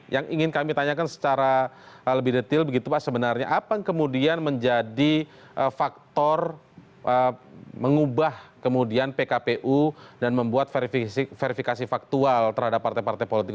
yang ingin kami tanyakan secara lebih detail begitu pak sebenarnya apa yang kemudian menjadi faktor mengubah kemudian pkpu dan membuat verifikasi faktual terhadap partai partai politik